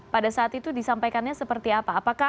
pada saat itu disampaikannya seperti apa